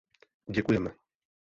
Děkujeme!